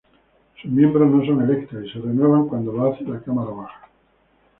Sus miembros no son electos, y se renuevan cuando lo hace la cámara baja.